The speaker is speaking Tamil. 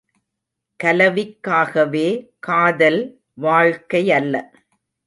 கலவிக்காகவே காதல் வாழ்க்கையல்ல.